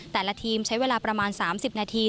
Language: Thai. แต่ละทีมใช้เวลาประมาณ๓๐นาที